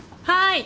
はい。